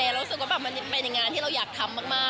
รู้สึกว่ามันไปในงานที่เราอยากทำมาก